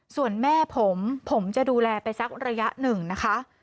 ส่วนแม่ผมผมจะดูแลไปสักระยะหนึ่งนะคะ